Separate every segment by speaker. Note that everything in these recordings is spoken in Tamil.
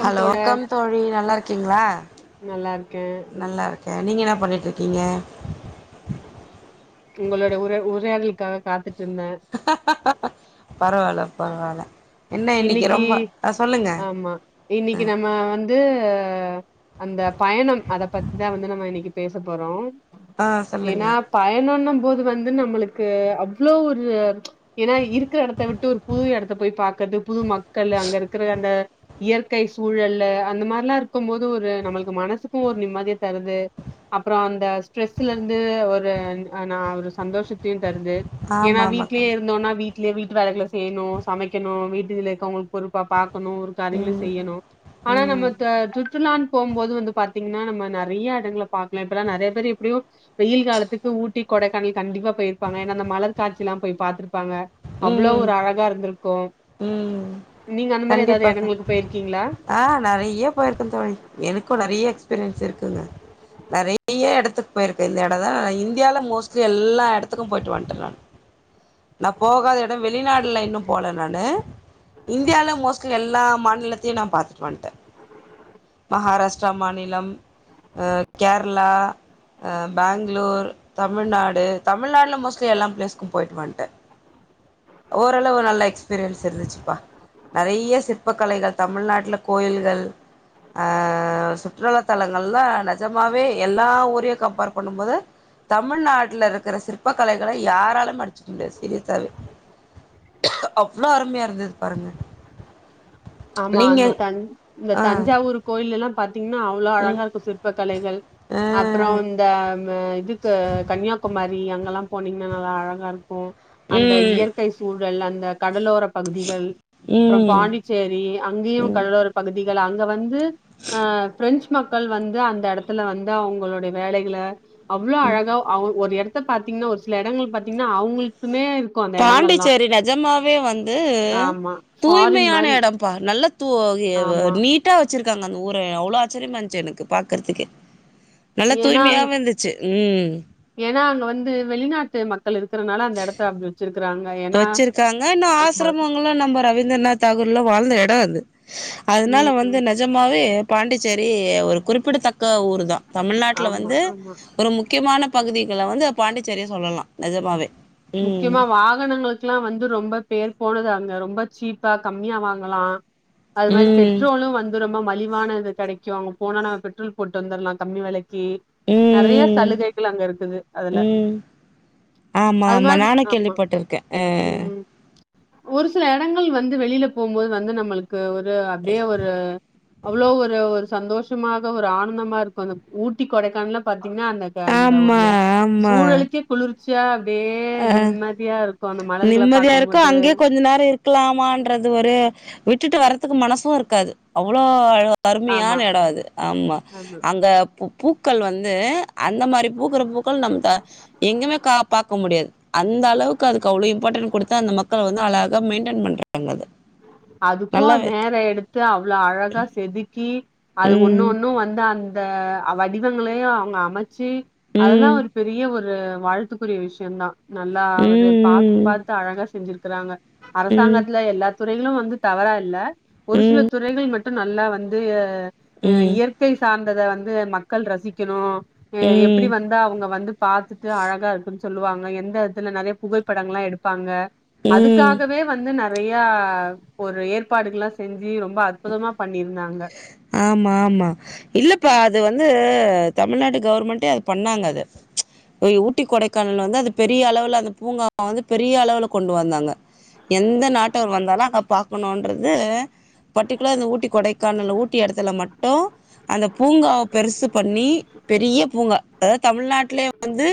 Speaker 1: ஹலோ வணக்கம் தோழி நல்லாருக்கீங்ளா
Speaker 2: நல்லா இருக்கே
Speaker 1: நல்லாருக்கே நீங்க என்னா பண்ணிட்ருக்கீங்க
Speaker 2: உங்களோட உர உரயாடளுக்கா காத்துட்டு இருந்தே
Speaker 1: பரவால பரவால
Speaker 2: இன்னிக்கு ஆமா இன்னிக்கு நம்ம வந்து ஆ அந்த பயணம் அத பத்திதா வந்து நம்ம இன்னிக்கு பேச போறோ
Speaker 1: ஆ சொல்லுங்க
Speaker 2: ஏனா பயணனும் போது வந்து நம்முளுக்கு அவ்ளோ ஒரு ஏனா இருக்குற எடத்த விட்டு ஒரு புது எடத்த போய் பாக்கர்து புது மக்கள் அங்க இருக்குற அந்த இயற்கை சூழல்ல அந்த மாரிலா இருக்கு போது ஒரு நம்மள்க்கு மனசுக்கு ஒரு நிம்மதிய தருது அப்பற அந்த ஸ்ட்ரெஸ்லருந்து ஒரு நா ஒரு சந்தோஷத்தயு தர்து ஏனா
Speaker 1: ஆமா
Speaker 2: வீட்லே
Speaker 1: ஆமாக்கா
Speaker 2: இருந்தோனா வீட் டிலே வீட்டு வேலைகள செய்ணும் சமைக்கணும் வீட் [unintelligible] பொறுப்பா பாக்கணு ஒருகாரியங்களு
Speaker 1: ம்
Speaker 2: செய்யணு ஆனா நம்ம
Speaker 1: ம்
Speaker 2: த சுற்றுலானு போம்போது வந்து பாத் த்தீங்னா நம்ம நறைய எடங்கள பாக்லா இப்பலா நறைய பேரு எப்டியு வெயில் காலத்துக்கு ஊட்டி கொடைக்கானல் கண்டிப்பா பொயிருப்பாங்க ஏனா அந்த மலர் காட்சிலா போய் பாத்துட்டு இருப்பாங்க அவ்ளோ
Speaker 1: ம்
Speaker 2: ஒரு அழகா இருந்துருக்கு
Speaker 1: ம் கண்டிப்பா தோழி
Speaker 2: இடங்களுக்கு போயிருக்கீங்களா
Speaker 1: ஆ நெறைய போயிருக்க தோழி எனக்கு நெறைய எக்ஸ்பிரியன்ஸு [unintelligible] நறைய எடத்து துட் போயிருக்கு இந்த எடதா இந்தியால மோஸ்ட்லி எல்லா எடத்துக்கு போயிட்டு வன்ட்ட நான் நா போகாத எடோ வெளிநாடுல இன்னு போல நானு இந்தியால மோஸ்ட்லி எல்லா மாநிலத்தயு நா பாத்துட்டு வந்ட்ட மகாராஷ்டிரா மாநிலம் ம் கேரளா ம் பேங்களூர் தமிழ்நாடு தமிழ்நாடுல மோஸ்ட்லி எல்லா ப்ளேஸ்க்கு போய்ட்டு வன்ட்ட ஓரளவு நல்ல எக்ஸ்பீரியன்ஸ் இருந்துச்சுப்பா நறைய சிற்ப கலைகள் தமிழ்நாட்டுல கோயில்கள் அ சுற்றுலா தலங்கள்ல நஜம்மாவே எல்லா ஊரையு கம்பேர் பண்ணும் போது தமிழ்நாட்டுல இருக்கற சிற் சிற்ப கலைகளை யாராலும் அடிச்சுட்க்க முடியாது சரி அ அவ்வளோ அருமையா இருந்தது பாருங்க
Speaker 2: ஆமா
Speaker 1: நீங்க
Speaker 2: அந்த தன் இந்த
Speaker 1: ஆ
Speaker 2: தஞ்சாவூர் கோயிலல்லாம் இன்னு அவ்ளோ அழகா
Speaker 1: ம்
Speaker 2: இருக்கு சிற்ப கலைகள்
Speaker 1: ஆ
Speaker 2: அப்புறோ இந்த இதுக்கு கன்னியாகுமரி அங்கெல்லா போனீங்னா நல்லா அழகா இருக் கு அந்த
Speaker 1: ம்
Speaker 2: இயற்கை சூழல் அந் த கடலோர பகுதிகள் அப்புறம்
Speaker 1: ம்
Speaker 2: பாண்டி சேரி அங்கேயு
Speaker 1: ம்
Speaker 2: கடலோர பகுதி ல அங்க வந்து அ பிரெஞ்சு மக்கள் வந்து அந்த எடத்துல வந்து அவங்களுடை வேலைகள அவ்ள அழகா அவ ஒரு எடத் து பாத்தீங்னா ஒரு சில இடங்கள் பாத்தீங்னா அவங்களுக்குமே
Speaker 1: பாண்டிச்சேரி நஜமாவே வந்து
Speaker 2: ஆமா ஃபாரின்
Speaker 1: தூய்மையான
Speaker 2: மாரி
Speaker 1: எடம் ப்பா நல்ல தூ இ வ
Speaker 2: ஆமா
Speaker 1: நீட்டா வச் ச்சிருக்காங்க அந்த ஊர அவ்வளோ ஆச்சரியமா இருந்துச்சு எனக்கு பாக்குறதுக்கு நல்ல
Speaker 2: ஏன்னா அங்க
Speaker 1: தூய்மையாவு இருந்துச்சு. ம்.
Speaker 2: ஏன்னா அங்க வந்து வெளிநாட்டு மக் ஏன்னா
Speaker 1: வச்சிருக்காங்க, இன்னு
Speaker 2: ஆமா
Speaker 1: ஆசிரமங்களு நம்ம ரவீந்திரநாத் தாகூர்லா வாழ்ந்த எடம் அது அதனால
Speaker 2: ம்
Speaker 1: வந்து நஜமாவே பாண்டிச்சேரி ஒரு குறிப் பிடத்தக்க ஊருதா தமிழ்நாட்டுல
Speaker 2: ஆமா
Speaker 1: வந்து
Speaker 2: ஆமா
Speaker 1: ஒரு முக்கியமான பகுதிகள்ல வந்து பாண்டிச்சேரிய சொல்லலா. நஜமாவே.
Speaker 2: முக்கியமா வாகனங்களுக்குலா வந்து ரொம்ப பேர் போனது அங்க ரொம்ப சீப்பா கம்மியா வாங்கலா. அது மாரி
Speaker 1: ம்
Speaker 2: பெட்ரோலு வந்து ரொம்ப மலிவான இது கெடைக்கு அங்க போனா நாங்க பெட்ரோல் போட்டு வந்துடலா கம்மி வெலைக் கி நறைய
Speaker 1: ம் ம்
Speaker 2: சலுகைகள் அங்க இருக்குது அதுல
Speaker 1: ம் ஆமா
Speaker 2: அது
Speaker 1: ஆமா
Speaker 2: மாரி
Speaker 1: நானு
Speaker 2: ஆமா
Speaker 1: கேள்விப்பட்டிருக்கே அ
Speaker 2: ம் ஒரு சில எடங்கள் வந்து வெளியில போம்போது வந்து நம்மளுக்கு இது ஒரு அப்டியே ஒரு அவ்வளோ ஒரு ஒரு சந்தோஷமாக ஒரு ஆனந்தமா இருக்கு அந்த ஊட்டி கொடைக்கானல்லா பா திங்கன்னா அந்த க அந்த
Speaker 1: ஆமா
Speaker 2: ஒரு
Speaker 1: ஆமா
Speaker 2: சூழலுக்கே குளிர் ச்சியார் அப்டியே
Speaker 1: அ
Speaker 2: நிம்மதியா இருக்
Speaker 1: நிம்மதியா இருக்கும் அங்கயே கொஞ்ச நேரம் இருக்கலாமான்றது ஒரு விட்டுட்டு வர்றதுக்கு மனசும் இருக்காது அவ்ளோ அழ
Speaker 2: ஆமா
Speaker 1: அருமையான எடம் அது ஆமா அங்க பு பூக்கள் வந்து அந்த மாரி பூக்கற பூக்கள் நம்ம த எங்குமே க பாக்க முடியாது அந்த அளவுக்கு அது கவ்லோ இம்பாடன் குடுத்தா அந்த மக்கள் வந்து அழகா மெய்ன்டைன் பண்றாங்க அத
Speaker 2: அதுக்கு
Speaker 1: நல்லாவே இருக்கு
Speaker 2: நேரோ எடுத்து அவ்ளோ அழகா செதுக்கி அது ஒன்னு
Speaker 1: ம்
Speaker 2: ஒண்ணும் வந்தா அந்த வடிவங்களையும் அவங்க அமைச்சு அதெல்லா
Speaker 1: ம்
Speaker 2: ஒரு பெரிய ஒரு ஒரு வாழ்த்துக்குரிய விஷயம் தா நல்லா அவரு பாத்து
Speaker 1: ம்
Speaker 2: பாத்து அழகா செஞ்சிருக் க்றாங்க
Speaker 1: ம்
Speaker 2: அரசாங்கத்துல எல்லா துறைகளும் வந்து தவறா இல்ல
Speaker 1: ம்
Speaker 2: ஒரு சில
Speaker 1: ம்
Speaker 2: துறைகள் மட் டும் நல்லா வந்து ஏ து இயற்கை சார்ந் அத வந்து மக்கள் ரசிக்கணு ஏ எப் இப்டி
Speaker 1: ம்
Speaker 2: வந்தா அவங்க வந்து பாத்துட்டு அழகா இருக்குனு சொல்லுவாங்க எந்த எடத்துல நெறைய புகைப்படங்கள்ல்லா எடுப்பாங்க
Speaker 1: ம் ம்
Speaker 2: அதுக்காகவே வந்து ந நெறயி ஒரு ஏற்பாடுகள்ல்லா செஞ்சு ரொம்ப அற்புதமா பண்ணிருந்தாங்க
Speaker 1: ஆமா ஆமா இல்லப்பா அது வந்து தமிழ்நாடு கவர்மெண்ட்டே அது பண்ணாங்க அத ஊட்டி கொடைக்கானல் வந்து அது பெரிய அளவுல அந்த பூங்காவ வந்து பெரிய அளவுல கொண்டு வந்தாங்க எந்த நாட்டவர் வந்தாலு அங்க பாக்கணுன்றது பர்டிகுல அந்த ஊட்டி கொடைக்கானல ஊ டி எடத்துல மட்டு அந்த பூங்கா பெருசு பண்ணி பெரிய பூங்கா அதாவ்த் தமிழ்நாட்லே வந்து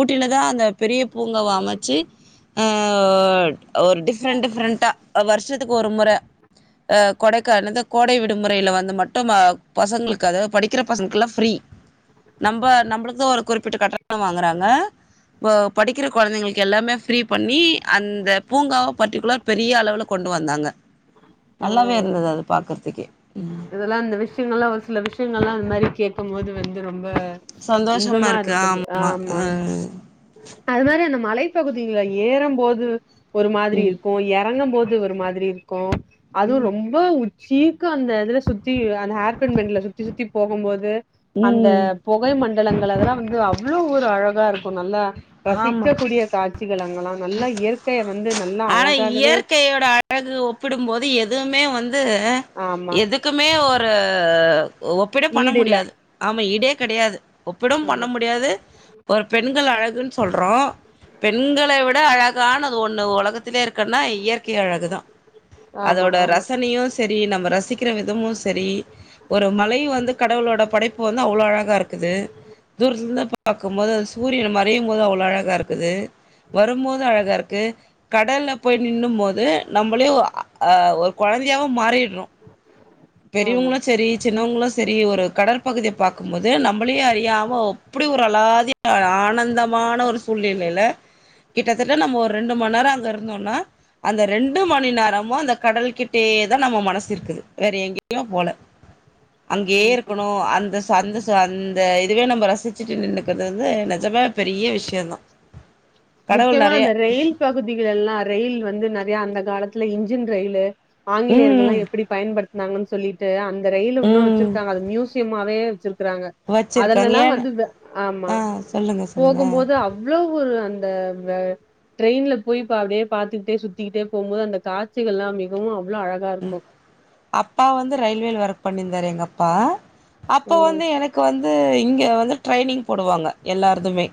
Speaker 1: ஊட்டிலதா அந்த பெரிய பூங்காவ அமச்சி ஆஹ் ஒரு டிஃப்ரன்ட் டிஃப்ரெண்ட்டா அ வர்ஷத்துக்கு ஒரு மொற ஆஹ் கொடைக்கானல் என்னது கோடை விடு முறையில வந்து மட்டு மா பசங்களுக்கு அதாவ்து படிக்கிற பசங்களுக்குல்லா ஃப்ரீ நம்ப நம்ப்ளுது ஒரு குறிப்பிட்ட கட்டணொ வாங்குறாங்க ஒ படிக்கிற கொழந்தைங்களுக்கு எல்லாமே ஃப்ரீ பண்ணி அந்த பூங்காவ பர்டிகுல பெரிய அளவுல கொண்டு வந்தாங்க நல்லாவே இருந்தது அது பாக்கற் தி கே
Speaker 2: இதெல்லா அந்த விஷ்யங்கள் எல்லா ஒரு சில விஷ்யங்கள் எல்லா அந்த மாரி கேட்கும்போது வந்து ரொம் ப்ப
Speaker 1: சந்தோஷமா
Speaker 2: இன்பமா
Speaker 1: இருக்கு
Speaker 2: இருக்குது ஆமா
Speaker 1: ஆ
Speaker 2: அது மாரி அந்த மலைப்பகுதில ஏறம்போது ஒரு மாதிரி
Speaker 1: ம்
Speaker 2: இருக்கு எறங்கும்போது அது ஒரு மாதிரி இருக்கு அது ரொம்ப உ சீக்கா அந்த இதுல சுத்தி அந்த ஹேர் பின் பெண்ட்ல சுத்தி சுத்தி போகும்போது அந்த
Speaker 1: ம்
Speaker 2: பொகை மண் மண்டலங்கள் அதெல்லா வந்து அவ்ளோ ஒரு அழகா இருக்கு நல்லா ரசிக்கக்க
Speaker 1: ஆமா
Speaker 2: கூடிய காட்சி கிலங்ளா நல்லா இயற்கைய வந்து நல்லா
Speaker 1: அட
Speaker 2: அழகாகவே
Speaker 1: இயற்கையோட அழகு ஒப்பிடும்போது எதுமே வ ந்து
Speaker 2: ஆமா
Speaker 1: எதுக்குமே ஒரு ஒப் விட பண்ண
Speaker 2: ஈடு இல்ல
Speaker 1: முடியாது அ நம்ம ஈடே கெடையாது ஒப்பிடும் பண்ண
Speaker 2: ஆமா
Speaker 1: முடியாது ஒரு பெண்கள் அழகுன் சொல்றோ பெண்களை விட அழகானது ஒண்ணு ஒலகத் திலே இருக்கன்னா இயற்கை அழகுதா
Speaker 2: ஆமா
Speaker 1: அதோட
Speaker 2: ஆமா
Speaker 1: ரசனையு செரி நம்ம ரசிக்கிற விதமு ஸ் செரி ஒரு மலை வந்து கடவுளோட படைப்பு வந்து அவ்ளோ அழகாருக்குது தூரத்துலந்த பாக்கும்போது அது சூரியன மறையும் போது அவ்ளோ அழகாகருக்குது வரும்போது அழகாருக் கு கடல்ல போய் நின்னும் போது நம்மளையு அ ஒரு கொழந்தையாவு மாறிட்றோ
Speaker 2: ஆமா
Speaker 1: பெரியவங்களு செரி சின்னவங்களு செரி ஒரு கடற்பகுதிய பாக்கும் போது நம்மளயு அறியாம அப்டி ஒரு அலாதி ஆனந்தமான ஒரு சூழ்நிலைல கிட்டத்தட்ட நம்ம ஒரு ரெண்டு மண் நேரோ அங்க இருந்தோன்னா அந்த ரெண்டு மணி நேரமு அந்த கடல் கிட்டியோ தா நம்ம மனசிருக் கிது வேற எங்கெய்யோ போல
Speaker 2: ம்
Speaker 1: அங்கேயே
Speaker 2: ம்.
Speaker 1: இருக்கணு அந்த ஸ் ஸோ அந்த ஷோ அந்த இதுவே நம்ம ரசிச் சிட்டு நின்க்கறது வந்து நெஜமா பெரிய விஷ்யோந்தா
Speaker 2: முக்கியமா அந்த ரெயில் பகுதிகள் எல்லா ரெயில் வந்து நெறைய அந்த காலத் துல இன்ஜின் ரெயிலு ஆங்கிலேயர்கள்
Speaker 1: ம்
Speaker 2: எல்லாம் எப்டி பயன்படுத் நாங்கன் சொல்லிட்டு அந் த ரயில் உன்னு
Speaker 1: ம்
Speaker 2: வச்சிருக்காங்க அது மியூசியமாவே குறாங்க
Speaker 1: வச்சிருக்காங்க
Speaker 2: அதுலல்லா
Speaker 1: ஏன்னு
Speaker 2: வந்து வெ ஆமா
Speaker 1: ஆ சொல்லுங்க சொல்லுங்க
Speaker 2: போகும்போது அவ்ளவு அந் த வ ட்ரெயின்ல போய்ப்ப அப்டியே பாத்துக்ட்டே சுத்திக்கிட்டே போம்போது அந்த காட்சிகள்லா மிகவு அவ்
Speaker 1: ம் அப்பா வந்து ரயில்வேல ஒர்க் பண்ணிந் வேற எங்கப்பா அப்போ
Speaker 2: ம்
Speaker 1: வந்து எனக்கு வந் து இங்க வந்து ட்ரைனிங் போடுவாங்க எல்லாருதுமே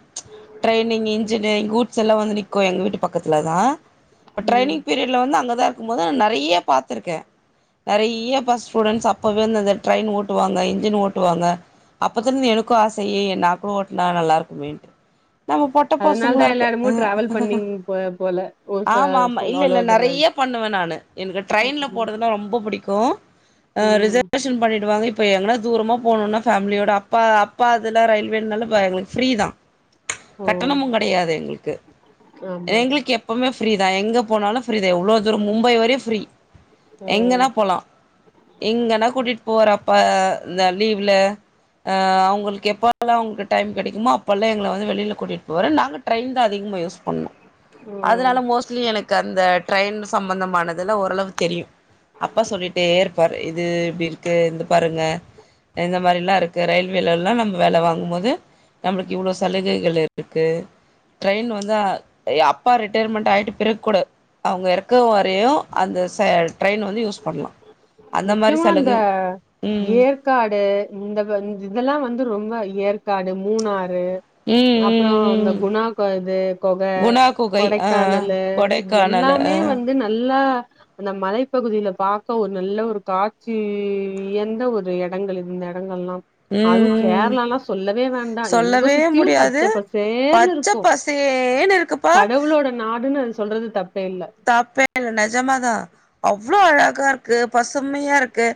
Speaker 1: ட்ரைனிங் இன்ஜினெங் கூட்ஸ் எல்லா வந்து நிக்கு எங்க வீட்டு பக்கத்துல தா ப
Speaker 2: ம்
Speaker 1: ட்ரைனிங் பீரியட்ல வந்து அங்கதா கும் போதா நா நெறைய பாத் துருக்கே நெறைய்ய பஸ் ஸ்டூடெண்ஸ் அப்பவேந்து அந்த ட்ரெயின் ஓட்டுவாங்க இன்ஜின் ஓட்டுவாங்க அப்பத்லந்து எனக்கு ஆச ய ஏ நா கூ ஓட்னா நல்லா இருக்குமேன்ட்டு நம்ம பொட்ட
Speaker 2: அதனால தா
Speaker 1: பசங்ளாருக்க
Speaker 2: எல்லா
Speaker 1: ஆ
Speaker 2: எடமு டிராவல்
Speaker 1: [unintelligible]
Speaker 2: பண்ணீங் போ போல ஒரு ஃப
Speaker 1: ஆமா ஆமா
Speaker 2: ஃபுல் ஆல்
Speaker 1: இல்லல்ல
Speaker 2: ஓவர் த
Speaker 1: நெறைய
Speaker 2: வேல்ட்
Speaker 1: பண்ணுவ நானு என் கிட் ட்ரயின்ல
Speaker 2: ம்
Speaker 1: போறதுனா ரொம்பப் புடிக்கு அ
Speaker 2: ம்
Speaker 1: ரிசர்வேஷன் பண்ணிடுவாங்க இப் ப எங்கனா தூரமா போணுன்னா ஃபேமிலியோட அப்பா அப்பா அதெலா ரயில்வேனால வ எங்களுக் ஃப்ரீ தா
Speaker 2: ஓ
Speaker 1: கட்டணமுங் கெடையாது எங்ளுக்கு,
Speaker 2: ஆமா
Speaker 1: எங்ளுக்கெப்பவ்மே ஃப்ரீதா எங்க போனாலு ஃப்ரீதே எவ்ளோ தூரம் மும்பை வரையு ஃப்ரீ
Speaker 2: ஓ
Speaker 1: எங்கனா போலா எங்கன்னா கூட்டிட் போறப்ப இந்த லீவ்ல ஆ அவுங்கள்க்கு எப்பால்ல அவ்ங் டைம் கெடைக்குமோ அப்பல்லா எங்ள வந்து வெளில கூட்டிட் போவரு நாங்க ட்ரெயின் த அதிகமா யூஸ் பண்ணு
Speaker 2: ஓ
Speaker 1: அதனால மோஸ்ட்லி எனக் கந்த ட்ரெயின் சம்பந்தமானதுல ஒரள தெரியு அப்பா சொல்லிட்டேருப்பாரு இது இப்டிருக்கு இந்த பாருங்க எந்த மாரிலாருக் க ரயில்வேலல்லா நம்ம வேல வாங்கும்மோது நம்ளுக்கு இவ்ளோ சலுகைகள் இருக்கு ட்ரெயின் வந்து அப்பா ரிட்டையர்மெண்ட் ஆயிட்ட பிறக் குட அவுங்க இறக்க வரையு அந்த ச ட்ரெயின் வந்து யூஸ் பண்ணலாம் அந்த மாதிரி
Speaker 2: முக்யமா அந்த
Speaker 1: சலுகை ம்
Speaker 2: ஏற்காடு இந்த வ இந் இதெல்லா வந்து ரொம்ப ஏற் காடு மூணார் ரு
Speaker 1: ம்
Speaker 2: அப்புறோ
Speaker 1: ம்
Speaker 2: அந்த
Speaker 1: ம்
Speaker 2: குணாகொ து கொக
Speaker 1: குணா குகை ஆ
Speaker 2: கொடைக்கானலு
Speaker 1: கொடைக்கானலு ஆ
Speaker 2: எல்லாமே வந்து நல்லா அந்த மலைப் பகுதில பாக்க ஒர் நல்ல ஒரு காட்சி எந்த ஒரு எடங்கள் இந்த எடங்கள்லா அதுவு
Speaker 1: ம்
Speaker 2: கேரளால்லா சொல்லவே வேண்டா எங்க
Speaker 1: சொல்லவே
Speaker 2: சுத்தியும் பச்ச
Speaker 1: முடியாது பச்ச
Speaker 2: பசேர்னுருக்கும்
Speaker 1: பசேன்னு இருக்குப்பா
Speaker 2: கடவுளோட நாடுன்னு நெ சொல்றது தப்
Speaker 1: தப்பே இல்ல நெஜமா தா இவ்ளோ அழகா இருக்கு பசுமையா இருக்கு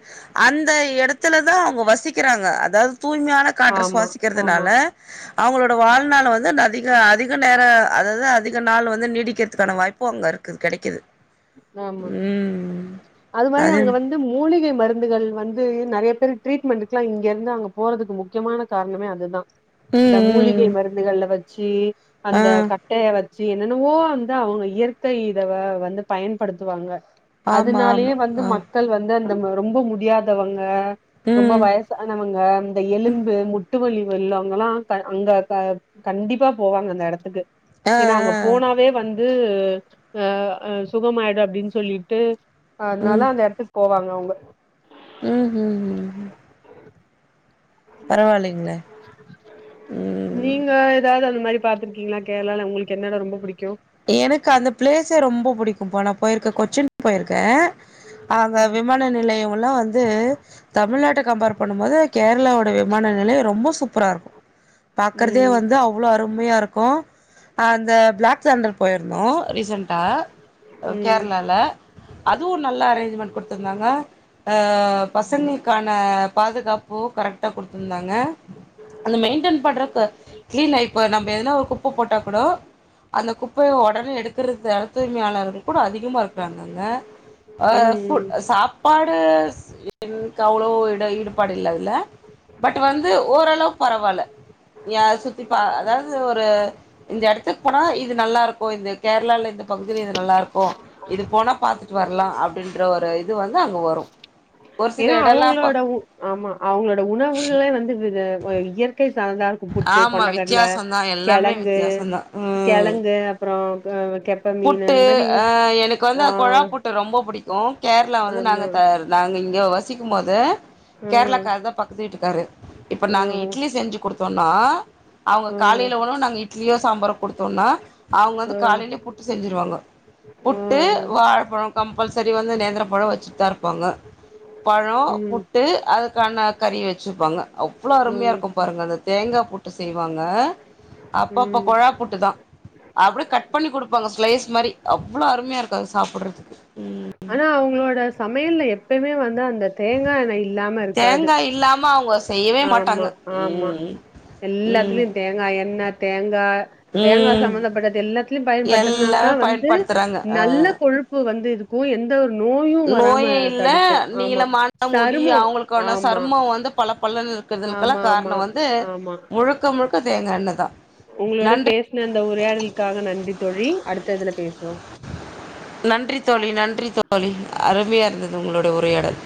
Speaker 1: அந்த எடத்துல தா அவங்க வசிக்கிறாங்க [unintelligible] [unintelligible] தூய்மையான காற்ற
Speaker 2: ஆமா ஆமா
Speaker 1: சுவாசிக்கிறதுனால அவங்களோட வாழ்நாள்ல வந்து [unintelligible] இங்க அதிக நேரம் அதாவது அதிக நாள் வந்து நீடிக்கிறதுக்கான வாய்ப்பும் அங்க இருக் [unintelligible] கெடைக்குது
Speaker 2: ஆமா
Speaker 1: ம்
Speaker 2: அது மாரி அங்க வந்து மூலிகை மரு ந்துகள் வந்து நெறைய பேர் ட்ரீட்மெண்டக்குலா இங்க இருந்து அங்க போறதுக்கு முக்கியமான காரணமே அது தா இந்த
Speaker 1: ம்
Speaker 2: மூலிகை
Speaker 1: ம்
Speaker 2: மருந்துகள வச் சேரி
Speaker 1: ஆ
Speaker 2: அந்த கட்டைய வச் [unintelligible] என்னென்னவோ அந்த அவங்க இயற்கை இத ஆ வந்து பயன்படுத்துவாங்க
Speaker 1: ஆமா
Speaker 2: அதனாலயே
Speaker 1: ஆமா
Speaker 2: வந்து
Speaker 1: ஆ
Speaker 2: மக்கள் வந்து அந் நம்ம ரொம்ப முடியாதவங்க ரொம்ப
Speaker 1: ம்
Speaker 2: வயசானவங்க இந்த எலும்பு முட் முட்டுவல்லி வெ உள்ளவங்கல்லா அங்க க கண்டிப்பா போவாங்க அந்த எடத்துக்கு
Speaker 1: ஆ
Speaker 2: ஏன்னா அங்க
Speaker 1: ஆ
Speaker 2: போனாவே வந் [unintelligible] அ ஆ சுக ஆயிடு அப்டின்னு சொல்லிட்டு அதனால அந்த எடத்துக்கு போவாங்க [unintelligible]
Speaker 1: ம் ம் ம் ம் பரவாயில்லைங்களே ம்
Speaker 2: நீங்க எதாது அந்து மாரி பாத்ருக்கீங்களா கேர்ளால ஒங்ளுக்கு என்னட ரொம்ப புடி
Speaker 1: எனக்கு அந்த பிளேஸே ரொம்ப புடிக்கும் போ போயிருக்கே கொச்சின் போயிருக்கே அங்க
Speaker 2: ம்
Speaker 1: விமான நிலையம் ல்லாம் வந்து தமிழ்நாட்ட கம்பேர் பண்ணும்போது கேரளாவோட விமான நிலையம் ரொம்ப சூப்பரா இருக்கும் பாக்குறதே
Speaker 2: ம்
Speaker 1: வந்து அவ்வளவு அருமையா இருக்கும் ஆ அந்த பிளாக் தண்டர் போய்ருந்தோ ரீசண்ட்டா
Speaker 2: ம்
Speaker 1: கேரளாலால அதுவு நல்ல அரேஞ்ச்மெண்ட் கொடுத்திருந்தாங்க ஆ பசங்களுக்கான பாதுகாப்பு கரெக்ட கொடுத்துருந்தாங்க அந்த மெயின்டன் பண்றக்கு கிளீன் இப்ப நம்ம எதனா ஒரு குப்ப போட்டாக் கூட அந்த குப் குப்பைய ஒடனே எடுக்கிற [unintelligible] கூட அதிகமாக இருக்கிறாங்கங்க ஆ
Speaker 2: ம்
Speaker 1: ஃபுட் சாப்பாடு ஆ அவ்ளவு ஈடுபாடு இல்ல பட் வந்து ஓரளவு பரவாயில்ல [unintelligible] சுத்தி அதாவது ஒரு எடத்துக்கு போனா இது நல்லா இருக் ஓ இந்த கேரளா இந்த பகுதில இது நல்லா இருக்கும் இது போனா பாத்துட்டு வரலாம் அப்படின்ற ஒரு இது வந்து அங்க வரும்
Speaker 2: ஏன்னா அவங்களோட ஆமா அவங்களோட உணவுகளே வந்து இயற்கை [unintelligible] இருக்கு புட்டு
Speaker 1: ஆமா
Speaker 2: கொண்டக்கடல
Speaker 1: வித்தியாசந்தா எல்லாமே
Speaker 2: கெழங்கு
Speaker 1: வித்தியாசந்தா ம்
Speaker 2: கெழங்கு அப்பறோ [unintelligible]
Speaker 1: புட்டு அஹ் எனக்கு வந்து
Speaker 2: ஆ
Speaker 1: கொழா புட்டு ரொம்ப புடிக்கு கேரளா வந்து நாங்க
Speaker 2: ஆமா
Speaker 1: த நாங்க இங்க வ வச்சிக்கும்போது
Speaker 2: ஆ
Speaker 1: கேரளாக்கார தா பக்கத்து வீட்டு இ ருக்காரு இப்ப நாங்க
Speaker 2: ஆ
Speaker 1: இட்லி செஞ்சு கொடுத்தோனா அவங்க காலைல
Speaker 2: ஆ
Speaker 1: உணவு இட்லியோ சாம்பாரோ குடுத்தோனா அவுங்க வந்து
Speaker 2: ஆ
Speaker 1: காலையில புட்டு செஞ்சிருவாங்க
Speaker 2: ஆ
Speaker 1: புட்டு வாழப்பழம் கம்பல்சரி வந்து நேந்திரம் பழம் வச்சு தா இருப்பாங்க பழ
Speaker 2: ம்
Speaker 1: புட்டு அதுக்கான கறி வச்சிருப்பாங்க அவ்வளவு அருமையா
Speaker 2: ம்
Speaker 1: இருக்கும் பாருங்க அந்த தேங்கா புட்டு செய் வாங்க அப்பப்ப
Speaker 2: ம்
Speaker 1: கொழா புட்டு தா அப்படி கட் பண்ணி குடு ப்பாங்க ஸ்லைஸ் மாரி அவ்வளோ அருமையாக இருக்கு அது சாப்பிட்றதுக்கு உம்
Speaker 2: ஆனா அவங்களோட சமையல்ல எப்பமே வந்து அந்த அந்த தேங்கா எண்ணெய் இல்லாம இருக்காது
Speaker 1: தேங்காய் இல்லாம அவங்க செய்யவே
Speaker 2: ஆமா
Speaker 1: மாட்டாங்க
Speaker 2: ஆமா
Speaker 1: ம் ம்
Speaker 2: எல்லாத்துலயு தேங்கா எண்ணெ தேங் த தேங்கா
Speaker 1: ம்
Speaker 2: சம்பந்தப்பட்டது எல்லாத்துலயும் பயன்படுத்துறதுனால தா
Speaker 1: எல்லாமே
Speaker 2: வந்து
Speaker 1: பயன்படுத்துறாங்க அ
Speaker 2: நல்ல கொழுப்பு வந்து இருக்கு கு என்
Speaker 1: நோயே இல்ல
Speaker 2: ஆமா
Speaker 1: நீளமான முடி
Speaker 2: சருமோ
Speaker 1: அவங்களுக்கான
Speaker 2: ஆமா
Speaker 1: சரும வந்து பல பலனு இக்கறதுக்கெல்லா
Speaker 2: ஆமா ஆமா
Speaker 1: கார்ண வந்து முழுக்க முழுக் ப்ப தேங்கா எண்ணெ தான்
Speaker 2: ஒங்களோட
Speaker 1: நன்
Speaker 2: பேசுன அந்த உரையாடலுக்காக நன்றி தோழி அடுத்த இதுல பேசுவோம்
Speaker 1: நன்றி தோழி நன்றி தோழி அருமையா இருந்தது உங்களோட உரையாடல்